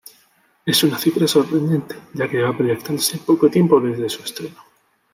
Es una cifra sorprendente, ya que lleva proyectándose poco tiempo desde su estreno.